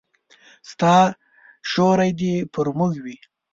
ستا سیوری دي پر موږ وي